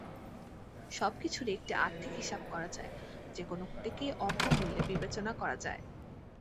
সবকিছুরই একটি আর্থিক হিসাব করা যায়, যেকোনো ক্ষতিকেই অর্থমূল্যে বিবেচনা করা যায়।